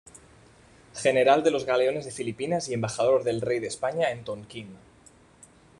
General de los galeones de Filipinas y embajador del rey de España en Tonkín.